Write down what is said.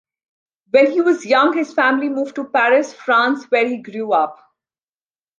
When he was young, his family moved to Paris, France, where he grew up.